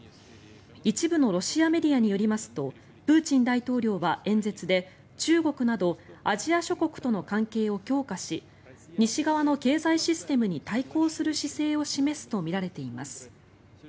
一部のロシアメディアによりますとプーチン大統領は演説で中国などアジア諸国との関係を強化し西側の経済システムに対抗する姿勢を示すとみられています。